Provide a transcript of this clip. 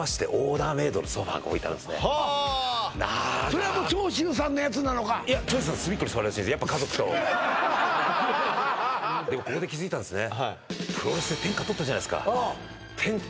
それはもう長州さんのやつなのかいややっぱ家族とでもここで気づいたんですね